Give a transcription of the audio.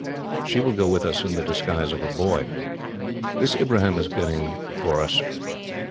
She will go with us in the disguise of a boy. This Ibrahim is getting for us.